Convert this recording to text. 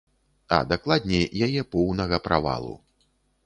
А дакладней, яе поўнага правалу.